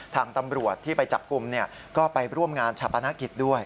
ทางตำรวจที่ไปจับกลุ่มก็ไปร่วมงานชาปนกิจด้วย